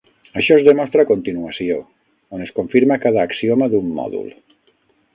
Això es demostra a continuació, on es confirma cada axioma d'un mòdul.